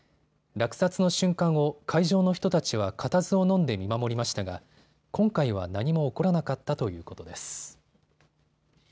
落札の瞬間を会場の人たちは固唾をのんで見守りましたが今回は何も起こらなかったということです。